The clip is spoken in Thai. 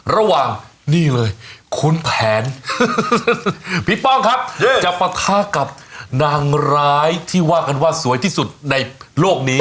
ระหว่างนี่เลยคุณแผนพี่ป้องครับจะปะทะกับนางร้ายที่ว่ากันว่าสวยที่สุดในโลกนี้